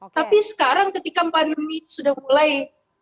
tapi sekarang ketika pandemi sudah mulai